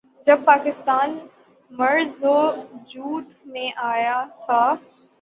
جب پاکستان معرض وجود میں آیا تھا۔